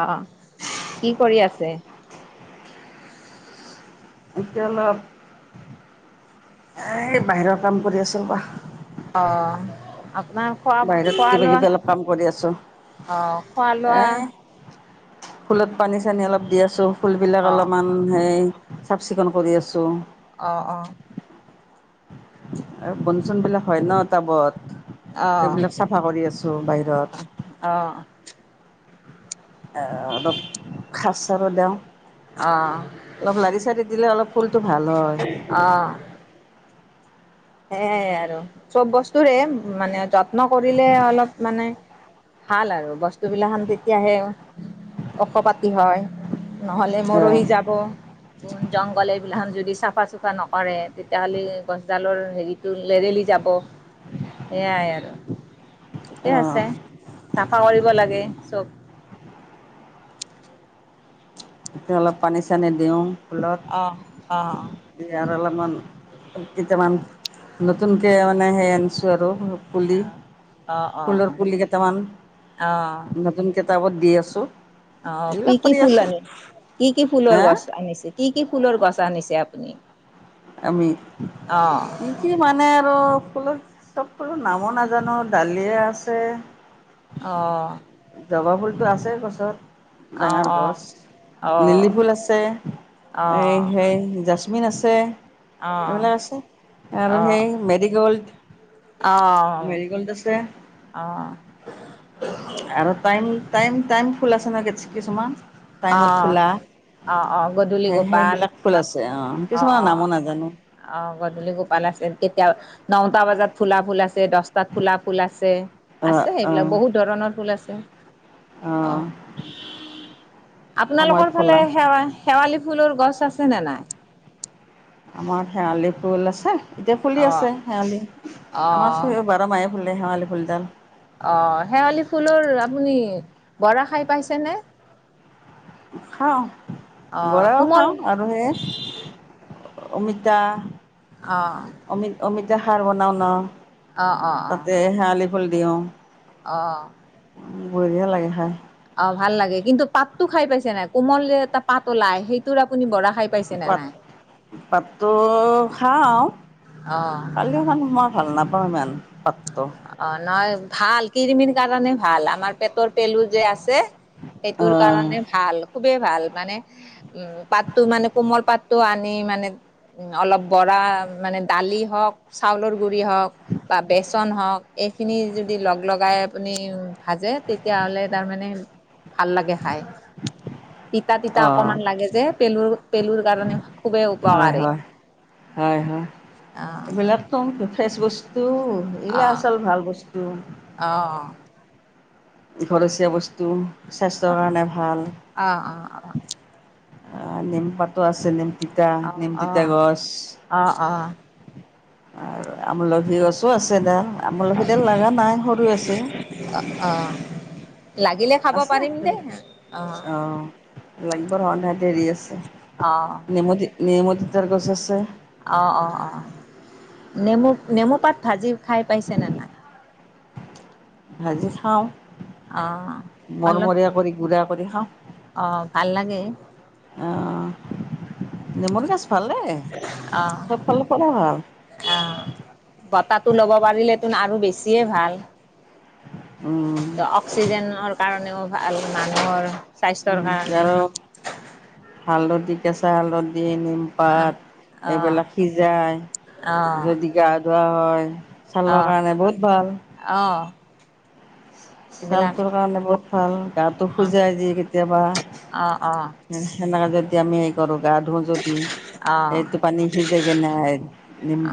আহ কি কৰি আছে এতিয়া অলপ এ বাহিৰৰ কাম কৰি আছো বা অঁ আপোনাৰ খোৱা বাহিৰত খোৱা কিবা লোৱা কিবি অলপ কাম কৰি আছোঁ অঁ খোৱা লোৱা এই ফুলত পানী চানী অলপ দি আছো ফুলবিলাক অ', অলপমান সেই চাফ চিকুণ কৰি আছো আহ অ আৰু বন চন বিলাক হয় ন টাবত অ', অ', সেইবিলাক চাফা কৰি আছো বাহিৰত অ', অলপ খাজ চাৰো দাম অলপ লাৰি চাৰি দিলে অলপ ফুলটো ভাল হয় সেয় আৰু চব বস্তুৰে মানে যত যন্তন কৰিলে অলপ মানে ভাল আৰু বস্তুবিলাখ তেতিয়াহে ঔখপাতি হয় নহ'লে অঁ মৰহি যাব বন জংঘল এইবিলাক যদি চাফা চুফা নকৰে তেতিয়াহ'লে গছডালৰ হেৰিটো লেৰেলি যাব সেয়াই আৰু ঠিকেই অঁ আছে চাফা কৰিব লাগে চব তেতিয়া অলপ পানী চানী দিওঁ ফুলত অ', অ', ইয়াৰ অলপ অমান কেইটামান নতুনকে মানে হেৰি আনিছো আৰু পুলি অ', অ', অ', ফুলৰ পুলি কেইটামান অ', নতুন কেইটাবত দি আছোঁ অ', কি এইবিলাক কি কৰি ফুল আছোঁ আনি কি কি ফুলৰ হা গছ আনিছে, কি কি ফুলৰ গছ আনিছে আপুনি। আমি অ', কি কি মানে আৰু ফুলৰ, চব ফুলৰ নামো নাজানো, দালিয়া আছে, অ'। জবা ফুলটো আছে গছত। অ', ডাঙৰ অ', গছ, অ', অ', লিলি ফুল আছে, অ', অ', অ', এই-হেই জেছ মিন আছে এইবিলাক আছে। আৰু সেই মেৰিগ'ল্ড, অ', মেৰিগ'ল্ড আছে। অ', আৰু টাইম, টাইম-টাইম ফুল আছে নহয় কেছ-কিছুমান। অ', অ' অ', গধূলি সেই গোপাল, সেইবিলাক ফুল আছে অঁ অ' কিছুমানৰ নামো অ', নাজানো অ', গধূলি গোপাল আছে, কেতিয়া নওটা বজাত ফুলা ফুল আছে, দছ তাত ফুলা ফুল আছে। অ', আছে এইবিলাক, অ', বহুত ধৰণৰ ফুল আছে। অ অ'। সময়ত আপোনালোকৰ ফালে ফলাম। শেৱা-শেৱাল লি ফুলৰ গছ আছে নে নাই? আমাৰ শেৱালি ফুল আছে। এতিয়া ফুলি অ আছে শেৱালি, অ আমাৰ চই-বাৰ মাহে ফুলে শেৱালি। ফুলদাল অ', শেৱালি ফুলৰ আপুনি বৰা খাই পাইছেনে? খাওঁ। অ বৰাও কোমল খাওঁ আৰু সেই অমিতা, অ অমিত-অমিতা। খাৰ বনাও ন। অ অ অ তাতে শেৱালি ফুল পিওঁ। অ'। বঢ়িয়া লাগে খাই। অ', ভাল লাগে, কিন্তু পাতটো খাই পাইছে নাই, কোমল যে এটা পাত ওলাই সেইটোৰ আপুনি বৰা খাই পাইছেনে নাই? পাততো খাওঁ, অ খালেও মানে মই ভাল নাপাওঁ ইমান, পাততো। অ নহয় ভাল কিৰিমিৰ কাৰণে ভাল আমাৰ পেটৰ পেলু যে আছে। সেইটোৰ অ', কাৰণে ভাল খুবেই ভাল। মানে উম, পাতটো মানে কোমল পাত টো আনি মানে উ অলপ। বৰা মানে দালি হওক চাউলৰ গুৰি হওক বা বেচ ন হওক এইখিনি যদি লগ লগাই আপুনি ভাজে তেতিয়াহ'লে তাৰমানে। ভাল লাগে খাই তিতা-তিতা অ', অকমান লাগে যে পেলুৰ পেলুত কাৰণে। খুবেই উপকাৰী। হয়-হয় অ এইবিলাকটোন ফ্ৰেচ বস্তু। অ এইগিলাক আচল ভাল বস্তু অ, ঘৰচীয়া বস্তু। অ অ স্বাস্থ্যৰ কাৰণে অ ভাল। নিম পাটো আছে নিম, তিতা অ অ নিমতিতা অ গছ। অ', অ', আৰু আমলখি গছো আছে। দা আমালখি দল লগা নাই সৰু আছে। অ', লাগিলে খাব আছে পাৰিম দেই অ লাগিব সন্ধা দেৰি আছে অ', নেমতি নেম। যাৰ গছ আছে। অ-অ-অ, নেমু-নেমু পাত ভাজি খাই পাইছেনে নাই। ভজি খাও। অহ অলপ গুড়া কৰি খাওঁ অ ভাল লাগে। নিমৰ গছ ভালে অ', চবফালে পৰা ভাল। তটো ল'ব পাৰিলেতন আৰু বেছিয়ে ভাল। ত অক্সিজেনৰ কাৰণেও ভাল মানুহৰ, স্বাস্থ্যৰ কাৰণে আৰু হালধি কেঁচা হালধি। অ', নিমপাত অ', এইবিলাক সিজাই অ', যদি গা ধোৱা হয় ছালৰ অ', কাৰণে বহুত ভাল। অ', এইবিলাক ছালটোৰ কাৰণে বহু ভাল গাটো অ', শুজাই দি কেতিয়াবা অ', অ', সেনেকা যদি। এতিয়া আমি হেই কৰোঁ। গা ধো যদি সেইটো পানী সিজে কি নাই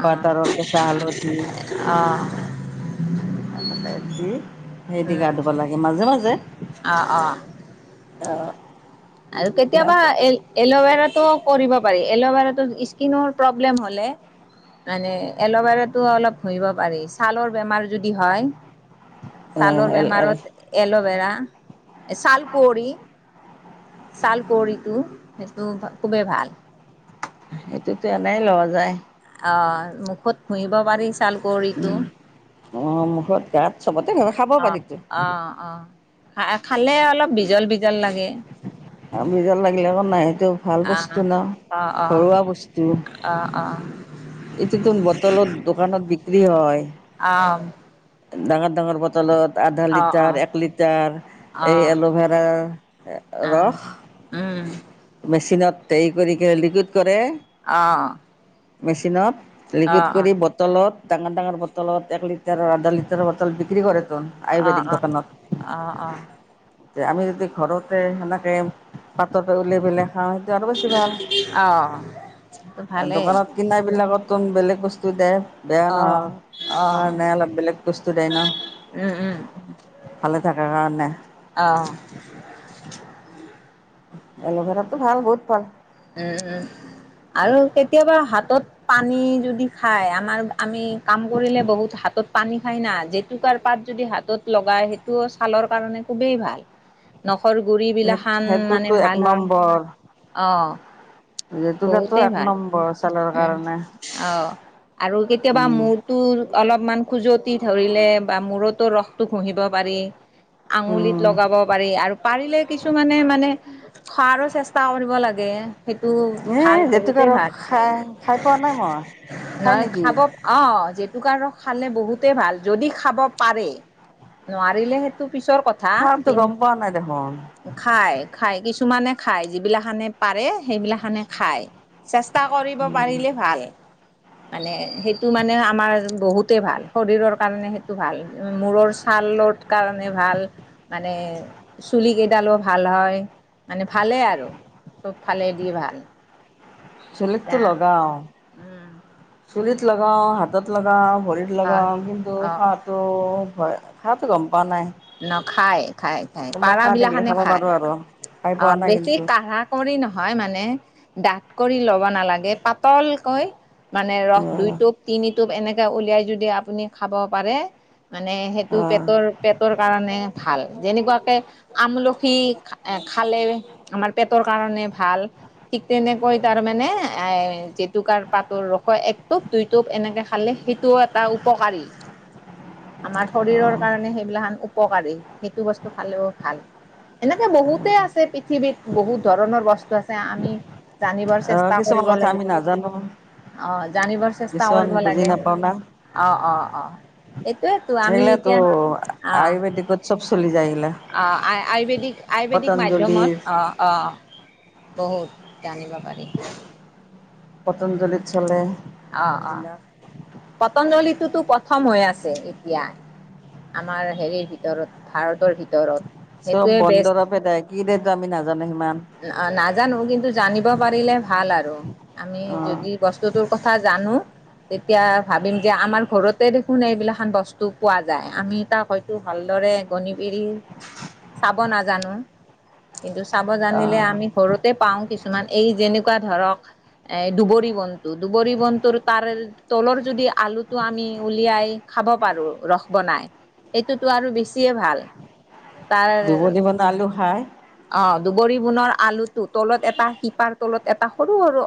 অ', আৰু কেঁচা হালধি অ', অ', দি সেই দি গা উম ধুব লাগে । মাজে, মাজে অ, অ অহ। আৰু কেতিয়াবা এ এল'ভেৰা কৰিব পাৰি এল'ভেৰাত স্কিনৰ প্ৰব্লেম হ'লে মানে এল'ভেৰাতটো অলপ ঘহিব পাৰি ছালৰ বেমাৰ যদি হয়। অ' ছালৰ এল এল বেমাৰত এল'ভেৰা ছাল কুঁৱৰী । ছালকঁৱৰীটো সেইটো খুবেই ভাল। সেইটোতো এনেই লোৱা যায়। অ মুখত ঘুহিব পাৰিছ। উম, অ মুখত তাতছ চবতে নাখাব পানীতো। খ খালে অলপ বেছি বিজল বিজয় লাগে। আমি যেন লাগিলে অক নাইতো ভাল বস্তু অ', নহ অ', অ'। ঘৰুৱা বস্তু। অ', অ', এইটো তোন বটলত দোকানত বিক্ৰী হয়। অ', ডাঙৰ ডাঙৰ বটলত। আধা লিটাৰ অ', এক লিটাৰ এই অ'। এল'ভেৰাৰ আহ ৰস। উম মেচিনত দেৰি কৰি লিকুইড কৰে অহ। মেচিনত। লিকুইড কৰি বটলত ডাঙৰ ডাঙৰ বটলত এক লিটাৰ আধা লিটাৰৰ বটল বিক্ৰী কৰে। অ আয়ুৰ্বেদিক অ দোকানত। অ অ আমি যদি ঘৰতে সেনেকে পাটৰ। [unintelligible] অহ সেইটো আৰু বেছি ভাল আহ এতো ভালেই দোকানত কিনাই বিলাকত। কঙ বেলেগ বস্তু দে বেয়া অ নহয় অ কাৰণে অলপ বেলেগ বস্তু দে নহ উম উম ভালে থাকাৰ কাৰণে। অ এল'ভেৰাতো ভাল বহুত ভাল। উম উম আৰু কেতিয়াবা হাতত পানী যদি খাই আমাৰ। আমি কাম কৰিলে বহুত হাতত পানী খাই না জেতুকাৰ পাত যদি হাতত লগাই সেইটো ছালৰ কাৰণে খুবেই ভাল ন খৰ গুৰি বিিলাক খান মানে সেইটোতো এক ভাল হয় নম্বৰ অ জেতুকাটো বহুতে এক ভাল নম্বৰ ছালৰ উম কাৰণে অ আৰু কেতিয়াবা উম মোৰতো অলপ ইমান খুজতি ধৰিলে বা মূৰতৰতো ৰসটো ঘুঁহিব পাৰি আঙুলিত উম লগাব পাৰি আৰু পাৰিলে কিছুমানে মানে খোৱাৰো চেষ্টা কৰিব লাগে সেইটো এ ভাল জেতুক বহুতেই আৰু ভাল। খাই খাই পোৱা নাই মই খাই নেকি টুকাৰ ৰস খালে বহুতেই ভাল যদি খাব পাৰে নোৱাৰিলেহেইটো পিছৰ কথা খাৰটো গম পোৱা নাই দেখোন কিন্ত খাই খাই কিছু কিছুমানে খায় যিবিলাখানে পাৰে সেইবিলাকখানে খায় চেষ্টা কৰিব পাৰিলে ভাল মানে সেইটো মানে আমাৰ বহুতে ভাল শৰীৰৰ কাৰণে সেইটো ভাল মূৰৰ ছালৰ কাৰণে ভাল মানে চুল কেইডালো ভাল হয় মানে ভালেই আৰু চবফালে দি ভাল চলটো এতিয়া লগ গাও উম চুৰিত লগাওঁ হাতত লগাওঁ ভৰিত অ লগাম কিন্তু অ হাঁহটো হয় খটো গ'ম পোৱা নাই ন খাই খাই খাই কোনোবা পাৰ খা দেখিলে বিলাখানে খাব খায় পাৰো আৰু খাই অ পোৱা নাই বেছি কিন্তু কাঢ়া কৰি নহয় মানে ডাঁত কৰি ল নালাগে পাতল কয় মানে ৰস অ', দুইটোপ তিনি এনেকে উলাই য আপুনি খাব পাৰে মানে সেইটো অ', পেটৰ পেট ভাল যেনেকুৱাকে আমলখি খালে আমাৰ পেটৰ কাৰণে ভাল ঠিক তেনেকৈ তাৰ মানে এ জেতুকাৰ পাতৰ ৰসৈ এক টোপ দুই টোপ এনেকে খালে এটা উপকাৰী আমাৰ শৰৰ অ', কাৰণে সেইবিলাক উপকাৰী সেইটো বস্তু খালেও ভাল এনেকে বহুতেই আছে পৃথিৱীত বহুত ধৰণৰ বস্তু টো আছে আমি জানিবৰ অ', চেষ্টা কিছুমান কৰিব কথা লাগিব আমি নাজানো অ জানিবৰ চেষ্টা কিছুমান কৰিব বুজি লাগে অ অ অ সেইটোয়েতো আমি এইলে তো এতিয়া অ', অ' আয় আয়ুৰ্বেদিকআয়ুৰ্বেদিক মাধ্যমত পতঞ্জলিৰ অ' অ'। বহুত, জানিব পাৰি। পটঞ্জলিত চলে, অ অ এইবিলাক। পতঞ্জলিটোতো প্ৰথম হৈ আছে, এতিয়া আমাৰ হেৰিৰ ভিতৰত ভাৰতৰ ভিতৰত। চব সেইটোৱে বন বেষ্ট দৰপেদায় কি দেটো আমি নাজানো সিমান। অ' নাজানো কিন্তু জানিব পাৰিলে ভাল আৰু আমি অ', যদি বস্তুটোৰ কথা আনো, তেতিয়া ভাবিম যে আমাৰ ঘৰতে দেখোন এইবিলাান বস্তু পোৱা যায়, আমি তাক হয়তো ভালদৰে গণ পৰি চাব নাজানো। কিন্তু চ [unintelligible] জানিলে অ', আমি ঘৰুতে পাও কিছুমান কিছুমান এই যেনেকুৱা ধৰক এ-দুবৰি বনটো, দুবৰি বনটোুৰ তাৰ-তলৰ যদি আলুটো আমি উলিয়াই খাব পাৰো ৰস বনাই এইটোতো আৰু বেছি [inaudible] আলু খাই অ' দুবৰি বুনৰ আলুটো তলত এটা শিপাৰ তলত এটা সৰু সৰু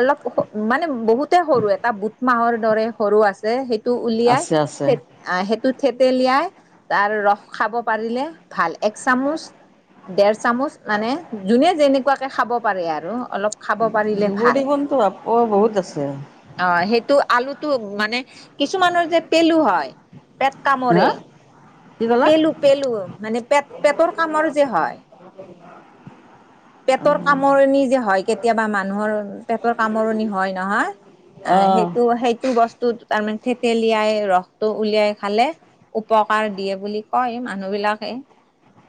অলপ মানে বহুতে সৰু এটা বুট মাহৰ দৰে সৰু আছে সেই টো উলিয়াই আছে আছে ।অ' সেইটোত- থেতেলিয়াই তাৰ ৰস খাব পাৰিলে ভাল এক চামুচ। দেৰ চামুচ মানে যোনে যেনেকুৱাকে খাব পাৰে আৰু অলপ খাব পাৰিলে ভাল দুবৰি বনটো আকৌ বহুত আছে -অ সেইটো আলুটো মানে, কিছুমানৰ যে পেলু হয় পেট কামৰে, হা কি ক'লা পেলু, পেলো, মানে পেট -পেটৰ কামৰ যে হয়। [unintelligible] পেটৰ কামৰণি যে হয় কেতিয়াবা মানুহৰ পেটৰ কামৰণি হয় নহয়, আহ অ', সেইটো-সেইটো বস্তু তাৰমানে থেতেেলিয়াই ৰসটো উলিয়াই খালে উপকাৰ দিয়ে বুলি কয় মানুহ বিিলাকে,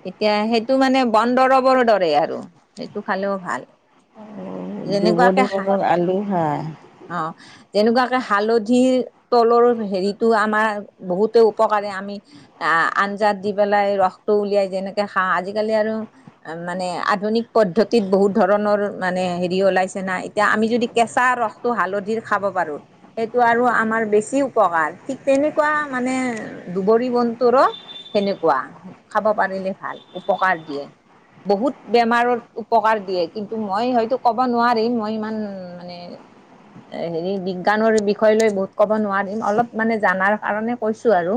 এতিয়া সেইটো মানে বন দৰৱৰ দৰে আৰু সেইটো খালেও ভাল। [unintelligible] যেনেকুৱাকে দুবৰি হা বজত আলু খা অ যেনেকুৱাকে হালধিৰ তলৰ হেৰিতটো আমাৰ বহুতে উপকাৰে আমি আহ-আঞ্জাত দি পেলাই ৰসটো উলিয়াই যেনেকে খাওঁ আজিকালি আৰু মানে আধুনিক পদ্ধতিত বহুত ধৰণৰ মানে হেৰি ওলাইছে না এতিয়া আমি যদি কেঁচা ৰসটো হালধিৰ খাব পাৰোঁ, সেইটো আৰু আমাৰ বেছি উপকাৰ ঠিক তেনেকুৱা মানে দবৰি বনটোুৰো সেনেকুৱ, খাব পাৰিলে ভাল উপকাৰ দিয়ে। বহুত বেমাৰৰ উপকাৰ দিয়ে কিন্তু মই হয়তো ক'ব নোৱাৰিম মই ইমান মানে- হেৰি-বিজ্ঞানৰ বিষয় লৈ বহুত ক'ব নোৱাৰিম অলপ মানে জানাৰ কাৰণে কৈছো আৰু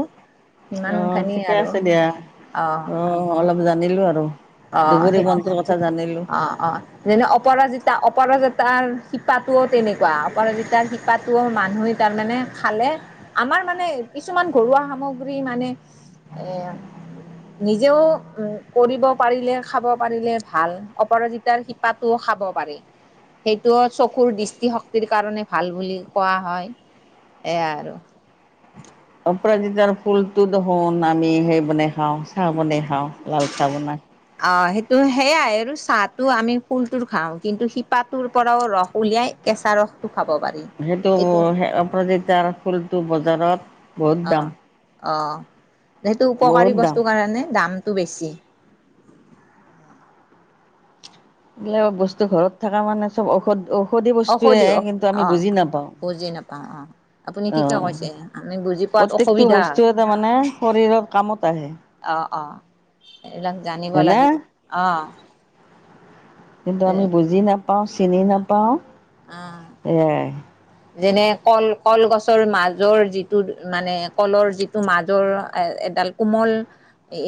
অ সিমানখিনি ঠিকে আৰু আছে দিয়া, অ- অলপ জানিলোঁ আৰু অ [unintelligible] দুবৰি বনটোৰ কথা জানিলোঁ। অ-অ যেনে অপৰাজিতা অপৰাজা তাৰ শিপাটোও তেনেকুৱা অপৰাজিতাৰ শিপাটোও মানুহে তাৰ মানে খালে আমাৰ মানে কিছুমান ঘৰুৱা সামগ্ৰী মানে-এ -নিজেও- উ- কৰিব পাৰিলে খাব পাৰিলে ভাল অপৰাজিতাৰ শিপাটো খাব পাৰি, সেইটো চকুৰ দৃষ্টিশক্তিৰ কাৰণে ভাল বুলি কোৱা হয় এ আৰু। [unintelligible] ৰাজিতাৰ ফুলটো ধ-হন আমি সেই মানে খাওঁ চাহ বনাই খাওঁ লাল চাহ বনাই তো সেয়াই আৰু চাহটো আমি ফুলটোৰ খাওঁ কিন্তু শিপাটোৰ পৰাও ৰস উলিয়াই কেঁচা ৰসটো খাব পাৰি। সেইটো আপোনাৰ যেতি ফুলটো ব দাৰৰত বহু দাম অঁ সেইটো বহুত উপকাৰী দাম। বস্তুৰ কাৰণে দাম টো বেছি বোলে বস্তু ঘৰত থকা মানে চব ঔষধ ঔধ ধ বস্তুৱে ঔষধি অ' কিন্তু আমি বুজি বুজি অ'। আপুনি নাপাওঁ ঠিকে আহ কৈছে আমি বুজি পোৱাত প্ৰত্য়েকটো অসুবিধা হয় বস্তু তাৰ মানে শৰীৰৰ কামত আহে অ অঁ এইবিলাক জানিব হয়নে? লাগিব অ কিন্তু আমি বুজি নাপাওঁ চিনি নাপাওঁ অ' এ যেনে কল কলগছৰ মাজৰ যিটো মানে কলৰ যিটো মাজৰ এডাল কোমল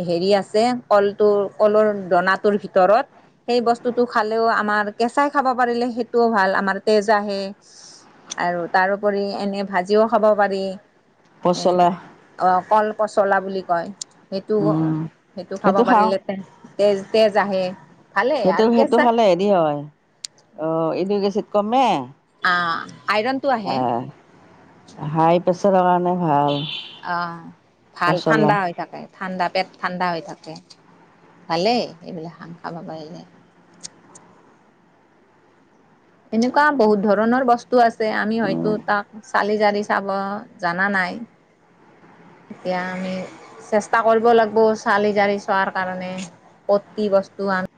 হেৰি আছে কলটো কলৰ দনাটোৰ ভিতৰত সেই বস্তুটো খালেও আমাৰ কেঁচাই খাব পাৰিলে সেইটোও ভাল আমাৰ তেজ আহে আৰু তাৰপৰি এনে ভাজিও খাব পাৰি এ পচলা অ কল পচলা বুলি কয় সেইটো উম সেইটো খাব পাৰিলে তে তেজ তেজ আহে ভালেই সেইটো আৰু সেইটো কেঁচা খালে হেৰি হয় অ কমে অ আইৰণটো আহে হাই পছ অ ভাল পচলা ঠাণ্ডা হৈ থাকে ঠাণ্ডা পেট ঠাণ্ডা হৈ থাকে ভালেই এইবিলাক হাং খাব পাৰিলে এনেকুৱা বহুত ধৰণৰ বস্তু ো আছে আমি হয়তো উম তাক চালি জাৰি চাব জাননা নাই এতিয়া আমি চেষ্টা কৰিব লাগিব চালি জাৰি চোৱাৰ কাৰণে ক বস্তু আম